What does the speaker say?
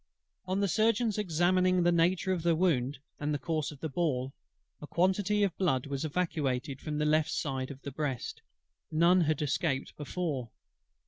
On the Surgeon's examining the nature of the wound, and the course of the ball, a quantity of blood was evacuated from the left side of the breast: none had escaped before.